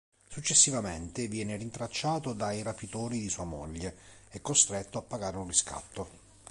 Successivamente viene rintracciato dai rapitori di sua moglie e costretto a pagare un riscatto.